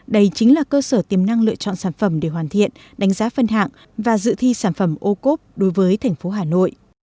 đây chính là cơ sở tiềm năng lựa chọn sản phẩm để hoàn thiện đánh giá phân hạng và dự thi sản phẩm ô cốp đối với thành phố hà nội